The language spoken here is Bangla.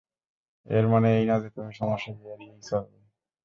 এর মানে এই না যে, তুমি সমস্যাকে এড়িয়েই চলবে।